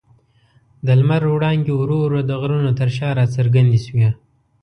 د لمر وړانګې ورو ورو د غرونو تر شا راڅرګندې شوې.